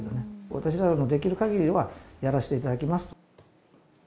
私らのできるかぎりはやらせていただきます。